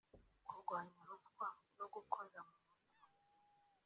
Kurwanya ruswa no gukorera mu mucyo